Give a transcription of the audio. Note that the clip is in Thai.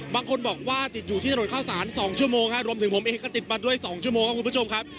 บางคนบอกว่าติดอยู่ที่ถนนข้าวสาร๒ชั่วโมงรวมถึงผมเองก็ติดมาด้วย๒ชั่วโมงครับคุณผู้ชมครับ